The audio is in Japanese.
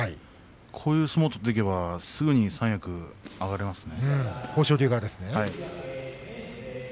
こういう相撲を取っていけばすぐに三役上がれますね。